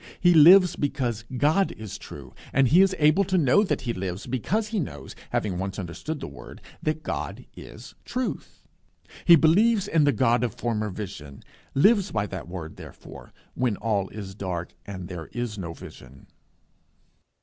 He lives because God is true; and he is able to know that he lives because he knows, having once understood the word, that God is truth. He believes in the God of former vision, lives by that word therefore, when all is dark and there is no vision.